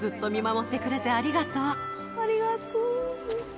ありがとう。